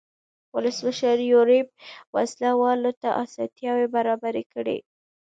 ولسمشر یوریب وسله والو ته اسانتیاوې برابرې کړې.